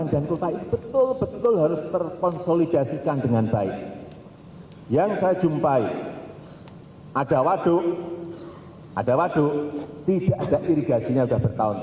dan di tempat lain gak usah saya sebut